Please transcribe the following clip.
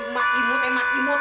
emak imut emak imut